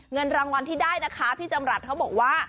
เงินรางวัลที่ได้นะคะพี่จำรัฐเขาบอกว่า